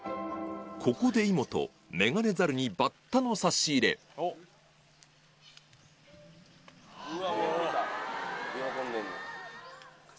ここでイモトメガネザルにバッタの差し入れ動いた！